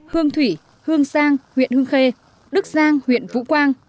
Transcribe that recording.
hương thủy hương sang huyện hương khê đức giang huyện vũ quang